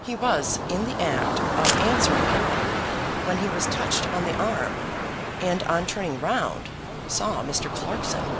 He was in the act of answering Erle, when he was touched on the arm, and on turning round, saw Mr. Clarkson.